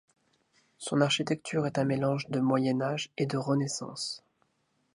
Son architecture est un mélange de Moyen Âge et de Renaissance.